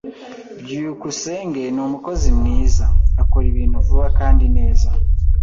byukusenge ni umukozi mwiza. Akora ibintu vuba kandi neza.